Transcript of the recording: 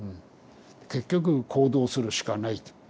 結局行動するしかないと。